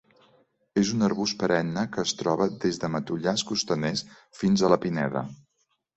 És un arbust perenne que es troba des de matollars costaners fins a la pineda.